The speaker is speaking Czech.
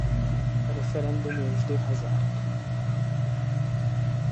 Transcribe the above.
Referendum je vždy hazard.